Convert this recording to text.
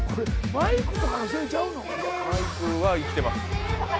マイク生きてます